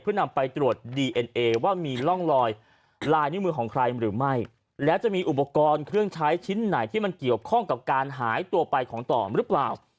เพื่อนำไปตรวจดีเอ็นเอว่ามีร่องรอยลายนิ้วมือของใครหรือไม่แล้วจะมีอุปกรณ์เครื่องใช้ชิ้นไหนที่มันเกี่ยวข้องกับการหายตัวไปของต่อหรือเปล่า